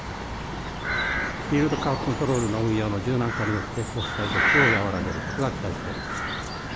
イールドカーブ・コントロールの運用の柔軟化によって、こうした動きを和らげることが期待されます。